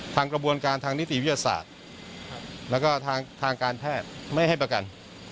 ทางกระบวนการทางนิติวิทยาศาสตร์แล้วก็ทางการแพทย์ไม่ให้ประกัน